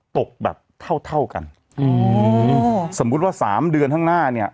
ตกแบบเท่าเท่ากันอืมสมมุติว่าสามเดือนข้างหน้าเนี่ย